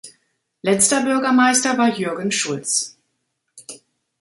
Letzter Bürgermeister war Jürgen Schulz.